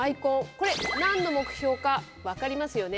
これ何の目標か分かりますよね？